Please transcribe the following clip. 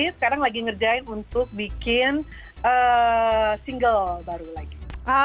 sekarang lagi ngerjain untuk bikin single baru lagi